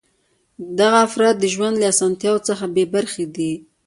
دغه افراد د ژوند له اسانتیاوو څخه بې برخې دي.